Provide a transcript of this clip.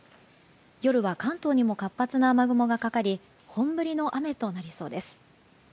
夜は関東にも活発な雨雲がかかり本降りの雨となりそうです。